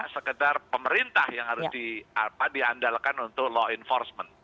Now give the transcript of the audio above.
sekedar pemerintah yang harus diandalkan untuk law enforcement